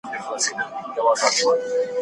آیا مېوې د انسان حافظه پیاوړې کولای شي؟